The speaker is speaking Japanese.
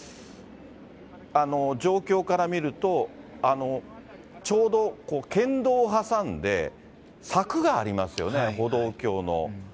状況から見ると、ちょうど県道を挟んで、柵がありますよね、歩道橋の。